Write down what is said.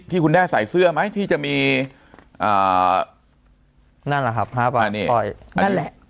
ที่คุณแด้ใส่เสื้อไหมที่จะมีอ่านั่นแหละครับห้าบาทสร้อยนั่นแหละ